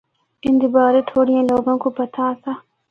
ان دے بارے تھوڑیاں لوگاں کو پتہ آسا۔